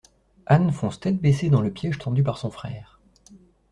Anne fonce tête baissée dans le piège tendu par son frère.